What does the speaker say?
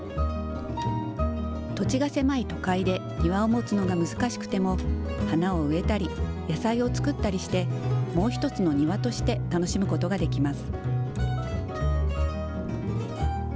土地が狭い都会で庭を持つのが難しくても、花を植えたり、野菜を作ったりして、もう一つの庭として楽しむことができます。